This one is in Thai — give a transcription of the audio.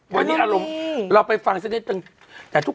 วันนี้อารมณ์เราไปฟังสักนิดนึง